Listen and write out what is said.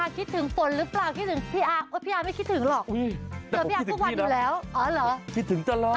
คิดถึงผลหรือเปล่าคิดถึงพี่อัก